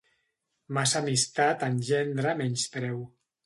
Massa amistat engendra menyspreu.